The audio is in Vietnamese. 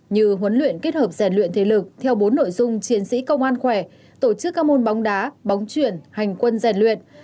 như huấn luyện kết hợp rèn luyện thể lực theo bốn nội dung chiến sĩ công an khỏe tổ chức các môn bóng đá bóng chuyển hành quân rèn luyện